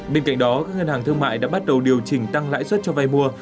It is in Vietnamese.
bên cạnh đó các ngân hàng thương mại đã bắt đầu điều chỉnh tăng lãi suất cho vay mua